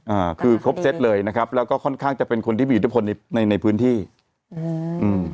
อ่าคือครบเซตเลยนะครับแล้วก็ค่อนข้างจะเป็นคนที่มีอิทธิพลในในในพื้นที่อืมอืม